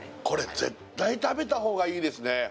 これ絶対食べた方がいいですね